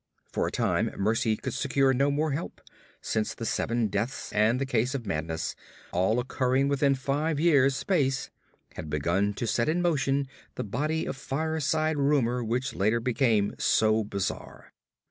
For a time Mercy could secure no more help, since the seven deaths and case of madness, all occurring within five years' space, had begun to set in motion the body of fireside rumor which later became so bizarre.